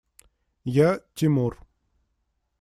Я – Тимур.